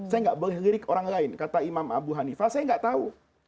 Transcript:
saya nggak boleh lirik orang lain kata imam abu hanifah saya nggak tahu